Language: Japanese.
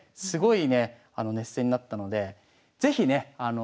すごいね熱戦になったので是非ね